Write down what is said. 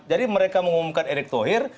jadi mereka mengumumkan arik thohir